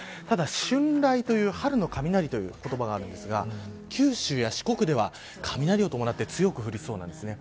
ただ春雷という春の雷という言葉がありますが九州や四国では雷を伴って強く降りそうなんです。